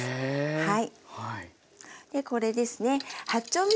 はい。